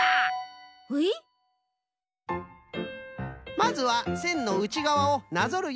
まずはせんのうちがわをなぞるようにぬる。